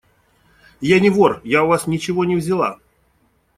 – Я не вор! Я у вас ничего не взяла.